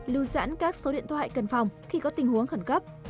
lưu dẫn các số điện thoại cần phòng khi có tình huống khẩn cấp